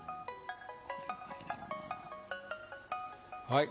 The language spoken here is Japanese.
はい